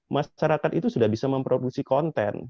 masyarakat itu sudah bisa memproduksi konten